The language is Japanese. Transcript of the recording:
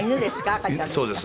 赤ちゃんですか？